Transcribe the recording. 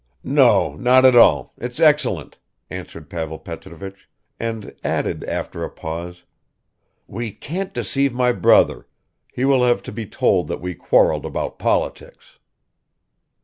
"No, not at all, it's excellent," answered Pavel Petrovich, and added after a pause, "we can't deceive my brother, he will have to be told that we quarreled about politics."